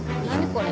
これ。